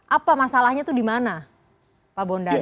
apa masalahnya itu di mana pak bondan